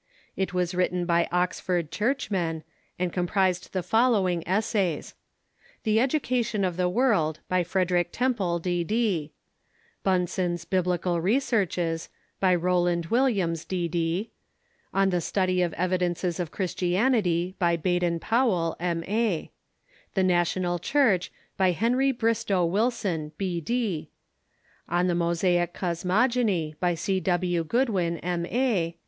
It was Avritten by Oxford Churchmen, and com Re"iews"" pi'ised the following essays: "The Education of the World," by Frederick Temple, D.D. ;" Bun sen's Biblical Researches," by Ro\vland Williams, D.D. ; "On the Study of the Evidences of Christianity'," b}' Baden Powell, M.A. ; "The National Cliurch," by Henry Bristow Wilson, B.D. ;" On the Mosaic Cosmogony," by C. W. Goodwin, M.A.